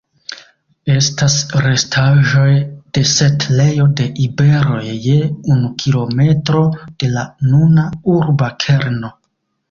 Estas restaĵoj de setlejo de iberoj je unu kilometro de la nuna urba kerno.